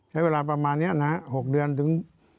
ใช้เวลาประมาณนี้นะฮะ๖เดือนถึง